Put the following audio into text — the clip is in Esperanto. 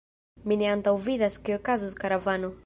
Mi ne antaŭvidas ke okazos karavano.